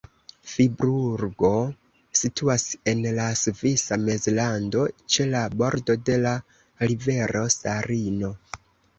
Friburgo situas en la Svisa Mezlando ĉe la bordo de la rivero Sarino.